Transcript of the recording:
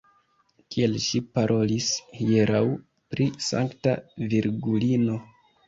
Kiel ŝi parolis hieraŭ pri Sankta Virgulino.